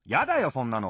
そんなの。